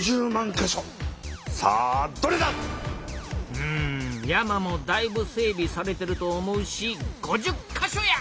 うん山もだいぶ整びされてると思うし５０か所や！